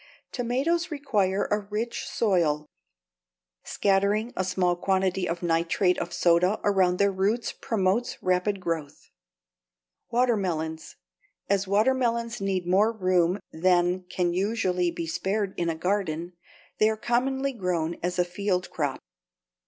Tomatoes require a rich soil. Scattering a small quantity of nitrate of soda around their roots promotes rapid growth. =Watermelons.= As watermelons need more room than can usually be spared in a garden, they are commonly grown as a field crop.